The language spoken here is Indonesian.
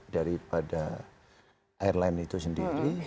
daripada airline itu sendiri